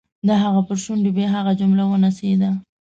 د هغه پر شونډو بیا هغه جمله ونڅېده.